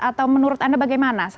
atau menurut anda bagaimana